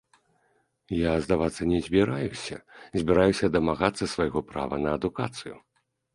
Я здавацца не збіраюся, збіраюся дамагацца свайго права на адукацыю.